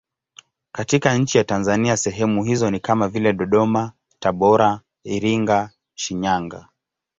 Katika nchi ya Tanzania sehemu hizo ni kama vile Dodoma, Tabora, Iringa, Shinyanga.